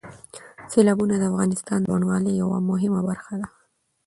سیلابونه د افغانستان د بڼوالۍ یوه مهمه برخه ده.